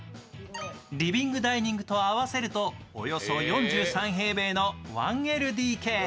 リビングダイニングと合わせるとおよそ４３平米の１ＬＤＫ。